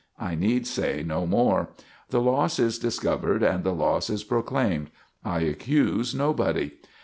I need say no more. The loss is discovered and the loss is proclaimed. I accuse nobody.